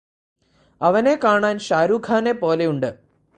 അവനെ കാണാൻ ഷാരൂഖ്ഖാനെ പോലെയുണ്ട്